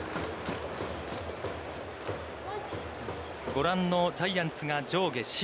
ご覧のジャイアンツが上下白。